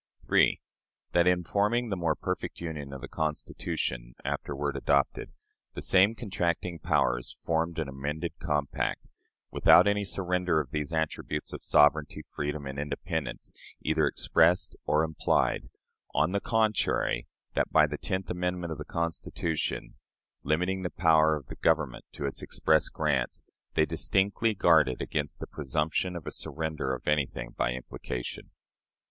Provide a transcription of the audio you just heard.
3. That, in forming the "more perfect union" of the Constitution, afterward adopted, the same contracting powers formed an amended compact, without any surrender of these attributes of sovereignty, freedom, and independence, either expressed or implied: on the contrary, that, by the tenth amendment to the Constitution, limiting the power of the Government to its express grants, they distinctly guarded against the presumption of a surrender of anything by implication.